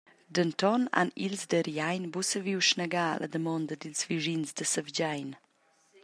Denton han ils da Riein buca saviu snegar la damonda dils vischins da Sevgein.